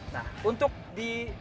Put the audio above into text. nah untuk di